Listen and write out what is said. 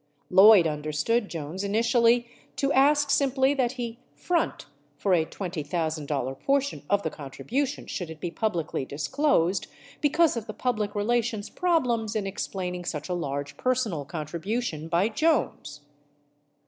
Lloyd understood Jones initially to ask simply that he "front" for a $20,000 portion of the contribution, should it be publicly disclosed, because of the public relations problems in explaining such a large personal contribution by Jones.